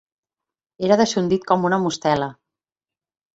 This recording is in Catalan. Era deixondit com una mostela.